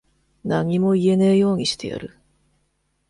何も言えねぇようにしてやる。